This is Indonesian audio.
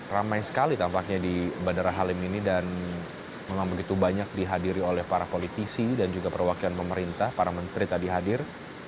ramai sekali tampaknya di bandara halim ini dan memang begitu banyak dihadiri oleh para politisi dan juga perwakilan pemerintah para menteri tadi hadir